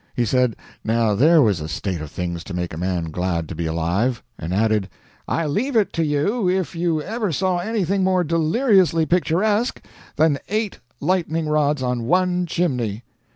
He said now there was a state of things to make a man glad to be alive; and added, "I leave it to you if you ever saw anything more deliriously picturesque than eight lightning rods on one chimney?"